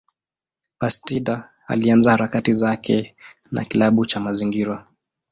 Bastida alianza harakati zake na kilabu cha mazingira.